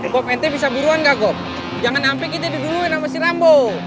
gop ente bisa buruan gak gop jangan sampai kita didulungin sama si rambo